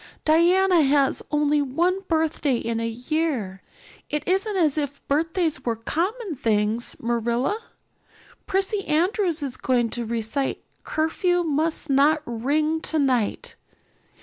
"Diana has only one birthday in a year. It isn't as if birthdays were common things, Marilla. Prissy Andrews is going to recite 'Curfew Must Not Ring Tonight.